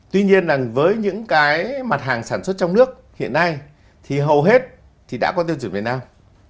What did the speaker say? tuy nhiên là với những cái mặt hàng sản xuất trong nước hiện nay thì hầu hết thì đã có tiêu chuẩn việt nam